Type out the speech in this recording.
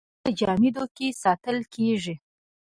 انرژي په جامدو کې ساتل کېږي.